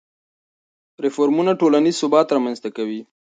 ریفورمونه ټولنیز ثبات رامنځته کوي.